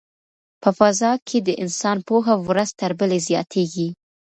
په فضا کې د انسان پوهه ورځ تر بلې زیاتیږي.